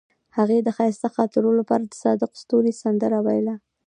هغې د ښایسته خاطرو لپاره د صادق ستوري سندره ویله.